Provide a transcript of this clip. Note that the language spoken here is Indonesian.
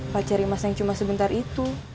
pacar imas yang cuma sebentar itu